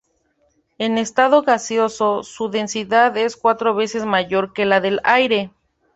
En estado gaseoso, su densidad es cuatro veces mayor que la del aire.